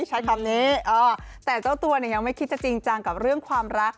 ใช้คำนี้แต่เจ้าตัวเนี่ยยังไม่คิดจะจริงจังกับเรื่องความรัก